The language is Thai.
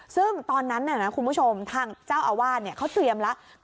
ซึ่งตอนนั้นคุณผู้ชมทางเจ้าอาวาสเขาเตรียมแล้ว